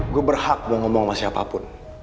gua berhak gua ngomong sama siapapun